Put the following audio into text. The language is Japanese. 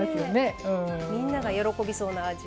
みんなが喜びそうな味。